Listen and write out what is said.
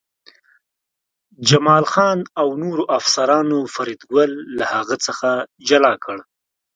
جمال خان او نورو افسرانو فریدګل له هغه څخه جلا کړ